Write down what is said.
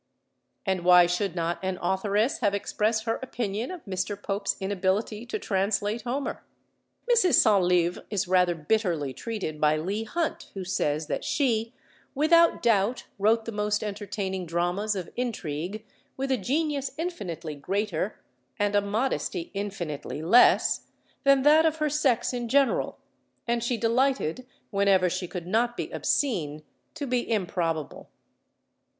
And why should not an authoress have expressed her opinion of Mr. Pope's inability to translate Homer? Mrs. Centlivre is rather bitterly treated by Leigh Hunt, who says that she, "without doubt, wrote the most entertaining dramas of intrigue, with a genius infinitely greater, and a modesty infinitely less, than that of her sex in general; and she delighted, whenever she could not be obscene, to be improbable."